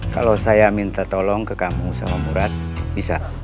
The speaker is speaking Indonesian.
kalau saya minta tolong ke kampung sama murad bisa